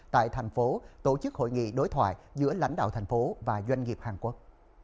tại thành phố tổ chức hội nghị đối thoại giữa lãnh đạo thành phố và doanh nghiệp hàn quốc